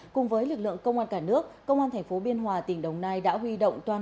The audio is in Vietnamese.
cùng với lực lượng công an cả nước công an tp biên hòa tỉnh đồng nai đã huy động